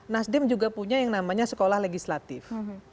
nasdem juga punya yang namanya sekolah legislatif